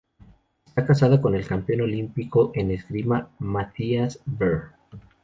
Está casada con el campeón olímpico en esgrima Matthias Behr.